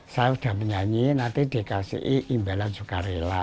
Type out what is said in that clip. saya sudah menyanyi nanti dikasih imbalan sukarela